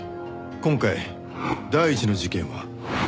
今回第一の事件は原宿駅。